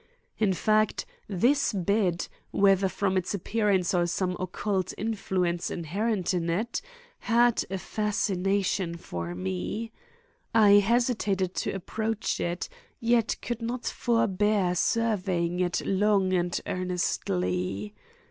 In fact, this bed, whether from its appearance or some occult influence inherent in it, had a fascination for me. I hesitated to approach it, yet could not forbear surveying it long and earnestly.